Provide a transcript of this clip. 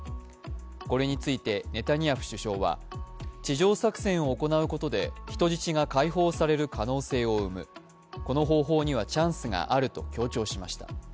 これについてネタニヤフ首相は地上作戦を行うことで人質が解放される可能性を生むこの方法にはチャンスがあると強調しました。